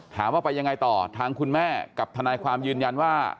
ว่าไปยังไงต่อทางคุณแม่กับทนายความยืนยันว่า